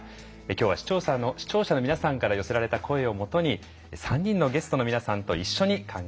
今日は視聴者の皆さんから寄せられた声をもとに３人のゲストの皆さんと一緒に考えていきます。